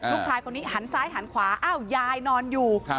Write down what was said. ลูกชายคนนี้หันซ้ายหันขวาอ้าวยายนอนอยู่